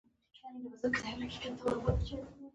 هغوی زیرک، کوښښي، کارکوونکي او ژمن روزي.